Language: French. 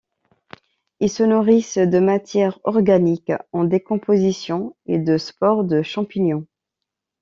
Ils se nourrissent de matière organique en décomposition et de spores de champignons.